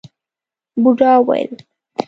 بوډا وويل: